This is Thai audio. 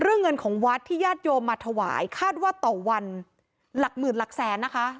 เงินของวัดที่ญาติโยมมาถวายคาดว่าต่อวันหลักหมื่นหลักแสนนะคะ